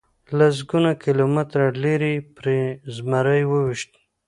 سلګونه کیلومتره لرې یې پرې زمری وويشت.